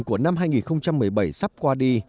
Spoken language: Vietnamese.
của năm hai nghìn một mươi bảy sắp qua đi